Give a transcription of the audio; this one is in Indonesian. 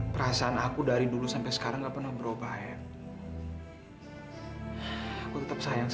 perasaan aku dari dulu sampe sekarang gak pernah berubah ayah